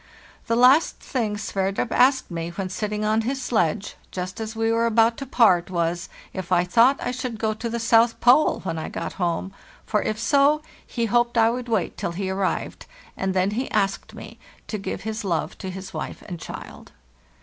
The last thing Sverdrup asked me when sitting on his sledge, just as we were about to part, was, if I thought I should go to the South Pole when I got home; for if so, he hoped I would wait till he arrived; and then he asked me to give his love to his wife and child.